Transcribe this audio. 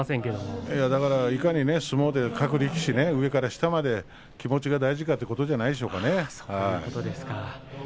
各力士、上から下まで気持ちが大事だということではないでしょうかね。